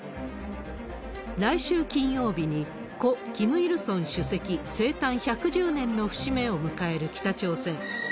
来週金曜日に、故・キム・イルソン主席生誕１１０年の節目を迎える北朝鮮。